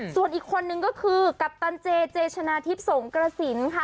ส่วนอีกคนนึงก็คือกัปตันเจเจชนะทิพย์สงกระสินค่ะ